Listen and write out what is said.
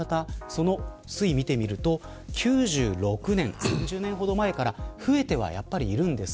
その推移を見てみると９６年、３０年ほど前から増えてはいるんです。